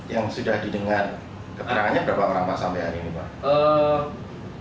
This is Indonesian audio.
yang sudah didengar keterangannya berapa orang pak sampai hari ini pak